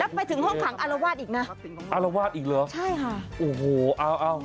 ไปถึงห้องขังอารวาสอีกนะอารวาสอีกเหรอใช่ค่ะโอ้โหเอาเอา